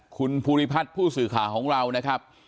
คุณภูริพัฒน์ผู้สื่อข่าวของเรานะครับ